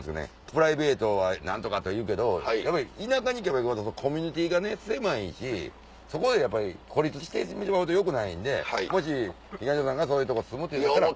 プライベートは何とかとか言うけどやっぱり田舎に行けば行くほどコミュニティーがね狭いしそこでやっぱり孤立してしまうとよくないんでもし東野さんがそういうとこ住むってなったら。